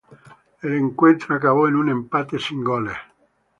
El encuentro acabó en un empate sin goles.